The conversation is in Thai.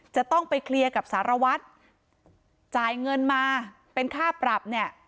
จะต้องไปเคลียร์กับสารวัตรจ่ายเงินมาเป็นค่าปรับเนี่ย